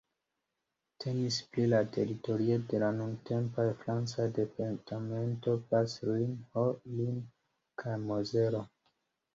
Temis pri la teritorio de la nuntempaj francaj departementoj Bas-Rhin, Haut-Rhin kaj Mozelo.